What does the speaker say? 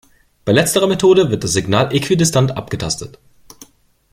Bei letzterer Methode wird das Signal äquidistant abgetastet.